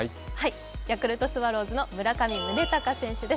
ヤクルトスワローズの村上宗隆選手です。